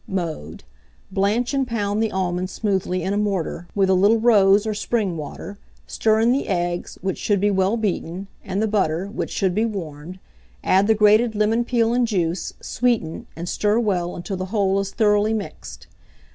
Mode. Blanch and pound the almonds smoothly in a mortar, with a little rose or spring water; stir in the eggs, which should be well beaten, and the butter, which should be warmed; add the grated lemon peel and juice, sweeten, and stir well until the whole is thoroughly mixed.